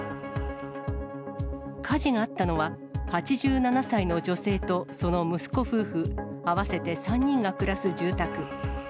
火事があったのは、８７歳の女性とその息子夫婦、合わせて３人が暮らす住宅。